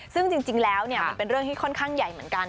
ซึ่งจริงแล้วมันเป็นเรื่องที่ค่อนข้างใหญ่เหมือนกัน